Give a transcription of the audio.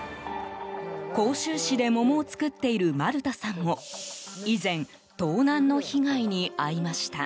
甲州市で桃を作っている丸田さんも以前盗難の被害に遭いました。